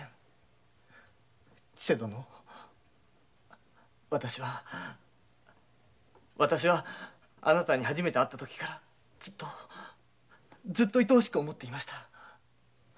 千勢殿私はあなたに初めて会ったときからずっといとおしく思っていました。